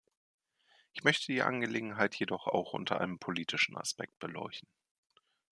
Ich möchte die Angelegenheit jedoch auch unter einem politischen Aspekt beleuchten.